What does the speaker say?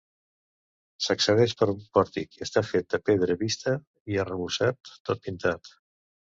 S'accedeix per un pòrtic i està fet de pedra vista i arrebossat, tot pintat.